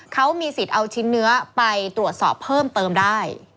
เขามีสิทธิ์เอาชิ้นเนื้อไปตรวจสอบเพิ่มเติมได้